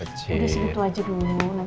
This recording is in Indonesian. jadi segitu aja dulu